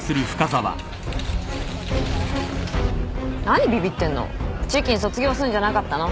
何ビビってんの？チキン卒業すんじゃなかったの？